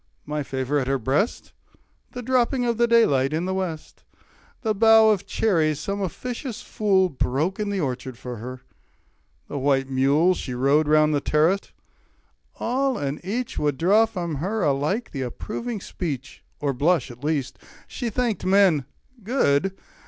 My favour at her breast, The dropping of the daylight in the West, The bough of cherries some officious fool Broke in the orchard for her, the white mule She rode with round the terrace all and each Would draw from her alike the approving speech, 30 Or blush, at least. She thanked men good!